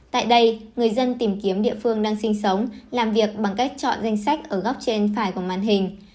tại đây người dân tìm kiếm địa phương đang sinh sống làm việc bằng cách chọn danh sách ở góc trên phải của màn hình